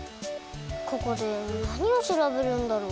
ここでなにをしらべるんだろう？